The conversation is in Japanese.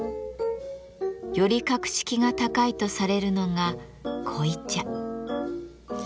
より格式が高いとされるのが濃茶。